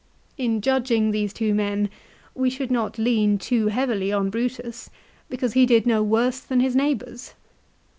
In judging these two men we should not lean too heavily on Brutus, because he did no worse than his neighbours.